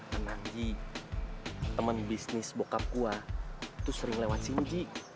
karena ji temen bisnis bokap gue tuh sering lewat si ji